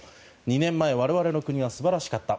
２年前我々の国は素晴らしかった。